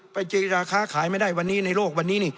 ไปเจราค้าขายไม่ได้ในโลกวันนี้นี่